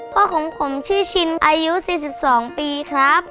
พ่อของผมชื่อชินอายุ๔๒ปีครับ